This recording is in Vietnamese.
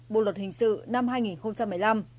bộ luật hình sự năm hai nghìn một mươi năm